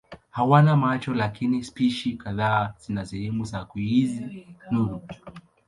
Hawana macho lakini spishi kadhaa zina sehemu za kuhisi nuru.